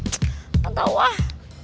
tsk tak tau ah